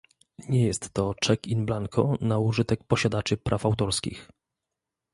Nie jest to czek in blanco na użytek posiadaczy praw autorskich